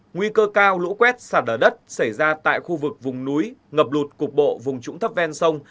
nguy cơ cao lũ quét sạt lở đất xảy ra tại khu vực vùng núi ngập lụt cục bộ vùng trũng thấp ven sông